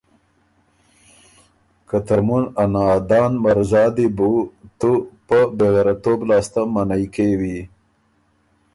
که ترمُن ا نادان مرزا دی بُو تُو پۀ بېغېرَتوب لاسته منعئ کېوی۔